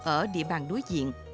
ở địa bàn đối diện